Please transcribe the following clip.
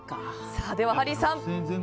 ではハリーさん！